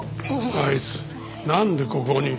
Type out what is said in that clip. あいつなんでここに。